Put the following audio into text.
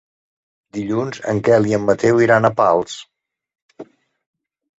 Dilluns en Quel i en Mateu iran a Pals.